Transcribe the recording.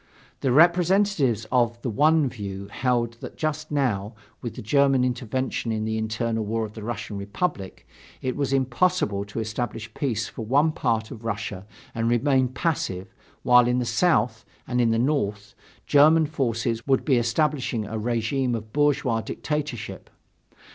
The representatives of the one view held that just now, with the German intervention in the internal war of the Russian Republic, it was impossible to establish peace for one part of Russia and remain passive, while in the South and in the North, German forces would be establishing a regime of bourgeois dictatorship.